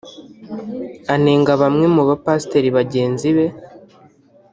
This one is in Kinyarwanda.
Anenga bamwe mu bapasiteri bagenzi be